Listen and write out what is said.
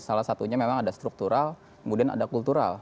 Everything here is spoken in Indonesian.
salah satunya memang ada struktural kemudian ada kultural